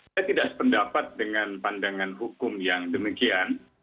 saya tidak sependapat dengan pandangan hukum yang demikian